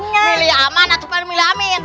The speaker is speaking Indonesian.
milih aman atau milih amin